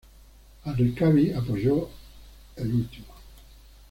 Al-Rikabi apoyó el último.